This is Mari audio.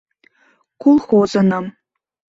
— Колхозыным.